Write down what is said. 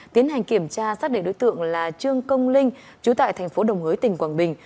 tiến hành kiểm tra xác định đối tượng là trương công linh chú tại thành phố đồng hới tỉnh quảng bình